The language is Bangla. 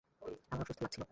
আমার অসুস্থ লাগছিল।